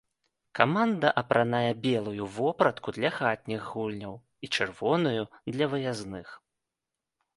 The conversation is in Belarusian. Каманда апранае белую вопратку для хатніх гульняў і чырвоную для выязных.